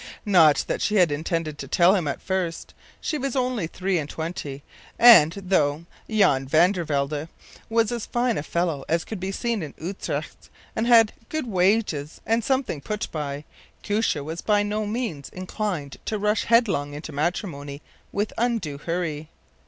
Not that she had intended to tell him at first; she was only three and twenty, and, though Jan van der Welde was as fine a fellow as could be seen in Utrecht, and had good wages and something put by, Koosje was by no means inclined to rush headlong into matrimony with undue hurry.